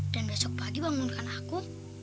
dan besok pagi bangunkan aku